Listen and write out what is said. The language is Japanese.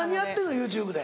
ＹｏｕＴｕｂｅで。